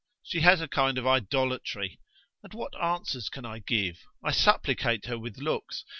She has a kind of idolatry ... And what answers can I give? I supplicate her with looks.